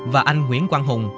và anh nguyễn quang hùng